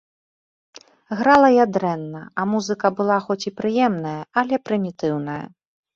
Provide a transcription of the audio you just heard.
Грала я дрэнна, а музыка была хоць і прыемная, але прымітыўная.